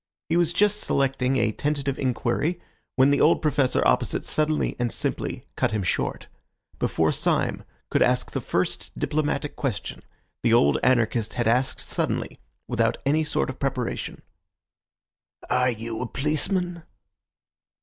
He was just selecting a tentative inquiry, when the old Professor opposite suddenly and simply cut him short. Before Syme could ask the first diplomatic question, the old anarchist had asked suddenly, without any sort of preparation— "Are you a policeman?"